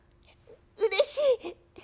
うれしい！